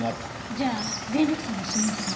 じゃあ前歴者の指紋って事？